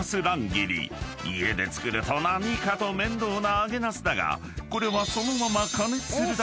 ［家で作ると何かと面倒な揚げなすだがこれはそのまま］